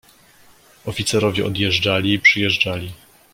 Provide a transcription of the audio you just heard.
"Oficerowie odjeżdżali i przyjeżdżali."